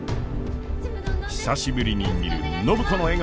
久しぶりに見る暢子の笑顔。